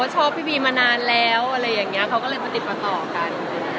ชอบพี่บีมานานแล้วอะไรอย่างนี้เขาก็เลยมาติดประต่อกัน